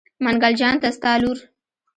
منګل جان ته ستا لور.